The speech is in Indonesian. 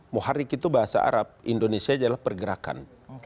muharrik itu bahasa arab indonesia adalah pergerakan